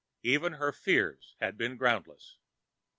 Even her fears had been groundless.